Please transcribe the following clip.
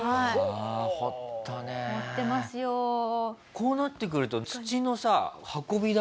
こうなってくると。